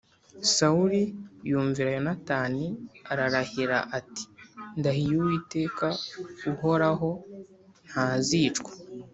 Sawuli yumvira Yonatani ararahira ati “Ndahiye Uwiteka uhoraho, ntazicwa.”